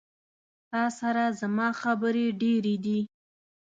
تا سره زما خبري ډيري دي